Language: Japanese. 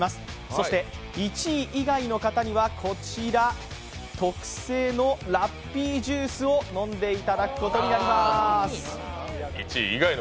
そして１位以外の方にはこちら特製のラッピージュースを飲んでいただくことになります。